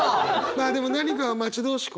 まあでも何かを待ち遠しく思う